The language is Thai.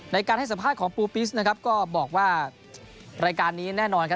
ในการให้สัมภาษณ์ของปูปิสนะครับก็บอกว่ารายการนี้แน่นอนครับ